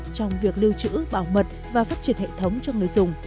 trong việc lưu trữ bảo mật và phát triển hệ thống cho người dùng